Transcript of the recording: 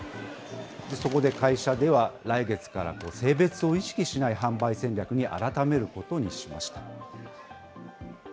そこで会社では、来月から性別を意識しない販売戦略に改めることにしました。